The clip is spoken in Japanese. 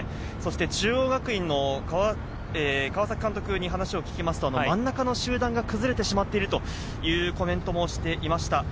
中央学院の川崎監督に聞くと真ん中の集団が崩れてしまっているというコメントでした。